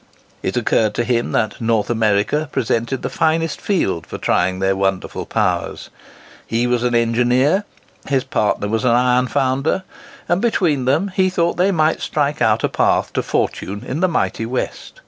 It occurred to him that North America presented the finest field for trying their wonderful powers. He was an engineer, his partner was an iron founder; and between them he thought they might strike out a path to fortune in the mighty West.